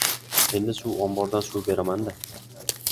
— Endi, suv ombordan suv beraman-da.